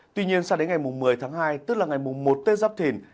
tuy nhiên sang đến ngày một mươi tháng hai tức là ngày một tết giáp thìn